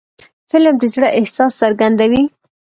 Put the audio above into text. فلم د زړه احساس څرګندوي